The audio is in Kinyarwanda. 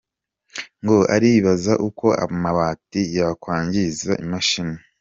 Ngo aribaza uko amabati yakwangiza imashini.